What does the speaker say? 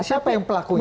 siapa yang pelakunya